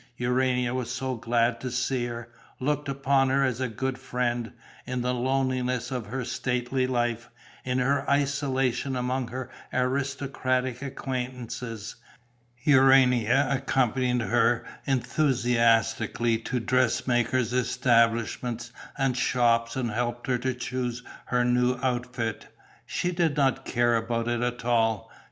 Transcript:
Urania was so glad to see her, looked upon her as a good friend, in the loneliness of her stately life, in her isolation among her aristocratic acquaintances. Urania accompanied her enthusiastically to dressmakers' establishments and shops and helped her to choose her new outfit. She did not care about it all.